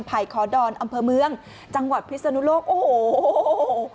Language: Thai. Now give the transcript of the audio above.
ไผ่ขอดอนอำเภอเมืองจังหวัดพิศนุโลกโอ้โห